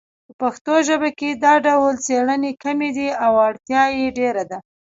په پښتو ژبه کې دا ډول څیړنې کمې دي او اړتیا یې ډېره ده